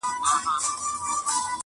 o چي غول خورې د پلو خوره دا خوره٫